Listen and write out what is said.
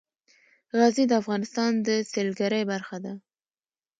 غزني د افغانستان د سیلګرۍ برخه ده.